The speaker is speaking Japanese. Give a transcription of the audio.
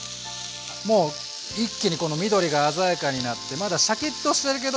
もう一気にこの緑が鮮やかになってまだシャキッとしてるけどちょっとしんなりぐらい。